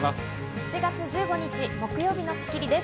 ７月１５日、木曜日の『スッキリ』です。